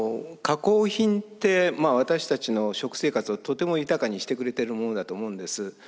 加工品って私たちの食生活をとても豊かにしてくれてるものだと思うんです。